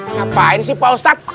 ngapain sih pak ustadz